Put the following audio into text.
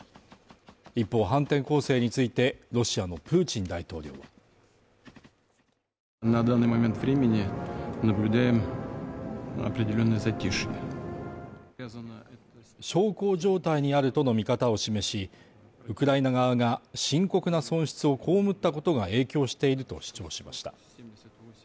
一方、反転攻勢について、ロシアのプーチン大統領は小康状態にあるとの見方を示し、ウクライナ側が深刻な損失をこうむったことが影響していると主張しました。